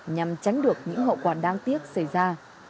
nhằm tránh được những mậu quản đáng tiếc xảy ra